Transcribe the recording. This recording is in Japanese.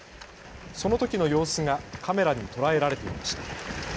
そのときの様子がカメラに捉えられていました。